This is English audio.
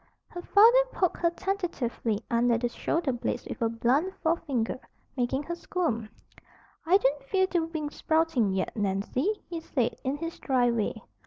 Her father poked her tentatively under the shoulder blades with a blunt forefinger, making her squirm. "I don't feel the wings sprouting yet, Nancy," he said, in his dry way.